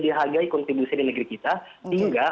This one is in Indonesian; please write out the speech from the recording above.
dihargai kontribusi di negeri kita sehingga